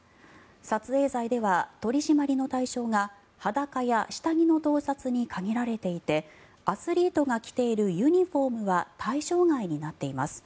撮影罪では取り締まりの対象が裸や下着の盗撮に限られていてアスリートが着ているユニホームは対象外になっています。